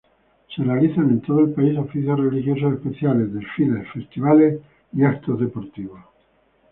Se realizan en todo el país oficios religiosos especiales, desfiles, festivales y eventos deportivos.